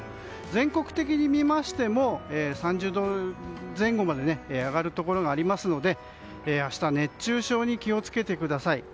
全国的に見ましても３０度前後まで上がるところがありますので明日は熱中症に気を付けてください。